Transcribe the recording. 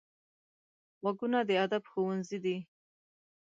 غوږونه د ادب ښوونځی دي